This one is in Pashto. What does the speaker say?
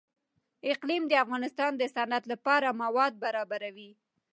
اقلیم د افغانستان د صنعت لپاره مواد برابروي.